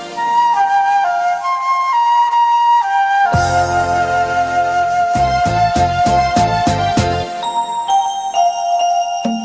ฟังแล้วเป็นยังไงบ้างคะ